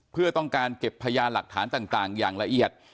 เพื่อต้องการเก็บพยานหลักฐานต่างอย่างละเอียด